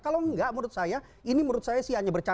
kalau enggak menurut saya ini menurut saya sih hanya bercanda